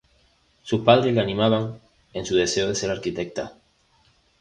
Sus padres le animaban en su deseo de ser arquitecta.